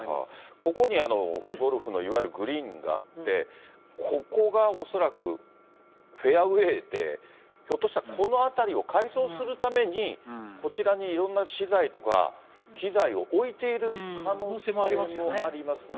ここにゴルフのいわゆるグリーンがあって、ここが恐らくフェアウエーで、ひょっとしたらこの辺りを改装するために、こちらにいろんな資材とか、機材を置いている可能性もありますね。